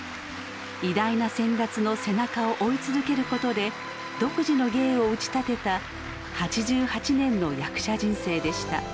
偉大な先達の背中を追い続けることで独自の芸を打ち立てた８８年の役者人生でした。